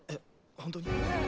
本当に？